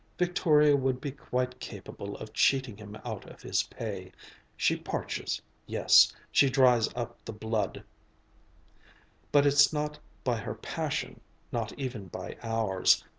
Victoria would be quite capable of cheating him out of his pay. She parches, yes, she dries up the blood but it's not by her passion, not even by ours.